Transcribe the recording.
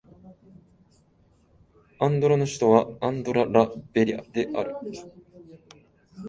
アンドラの首都はアンドラ・ラ・ベリャである